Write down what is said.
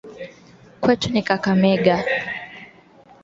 Kwetu ni kakamega